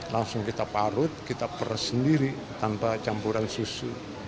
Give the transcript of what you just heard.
langsung kita parut kita peras sendiri tanpa campuran susu